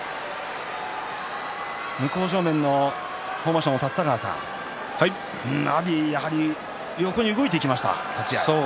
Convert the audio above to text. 向正面の豊真将の立田川さん阿炎、やはり横に動いてきました